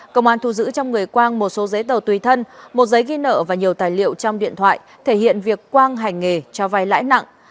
công an thu giữ trong người quang một số giấy tờ tùy thân một giấy ghi nợ và nhiều tài liệu trong điện thoại thể hiện việc quang hành nghề cho vai lãi nặng